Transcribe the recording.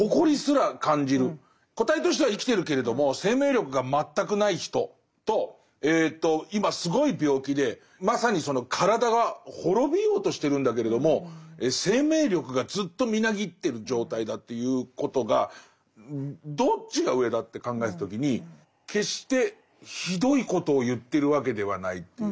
個体としては生きてるけれども生命力が全くない人と今すごい病気でまさにその体は滅びようとしてるんだけれども生命力がずっとみなぎってる状態だということがどっちが上だって考えた時に決してひどいことを言ってるわけではないっていう。